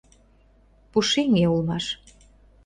Пушеҥге улмаш.